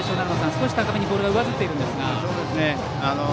少し高めにボールが上ずっているんですが。